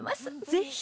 ぜひ